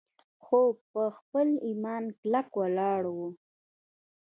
خو پۀ خپل ايمان کلک ولاړ وو